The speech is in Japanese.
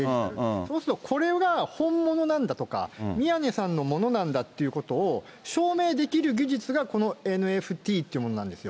そうするとこれが本物なんだとか、宮根さんのものなんだっていうことを証明できる技術がこのＮＦＴというものなんですよ。